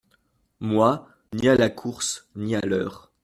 Moi, ni à la course, ni à l’heure…